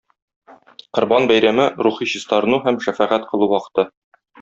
Корбан бәйрәме - рухи чистарыну һәм шәфәгать кылу вакыты.